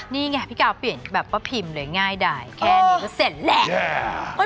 นี่ไงพี่กาวเปลี่ยนแบบป้าพิมพ์เลยง่ายดายแค่นี้ก็เสร็จแหละ